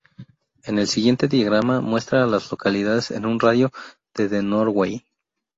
El siguiente diagrama muestra a las localidades en un radio de de Norway.